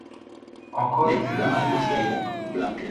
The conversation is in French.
Encore une ressource qui manque.